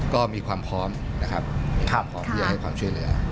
ก็มีความพร้อมให้ความช่วยเหลือ